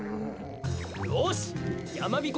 よしやまびこ